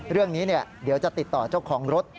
เรื่องนี้เดี๋ยวจะติดต่อเจ้าของรถ